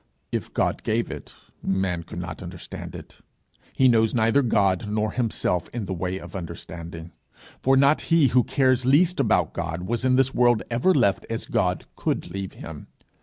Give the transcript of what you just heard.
If God gave it, man could not understand it: he knows neither God nor himself in the way of the understanding. For not he who cares least about God was in this world ever left as God could leave him.